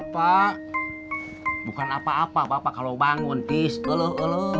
pak bukan apa apa apa kalau bangun pisuluh